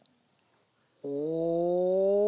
お。